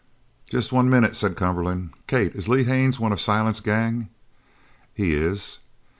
"Jest one minute," said Cumberland. "Kate, is Lee Haines one of Silent's gang?" "He is."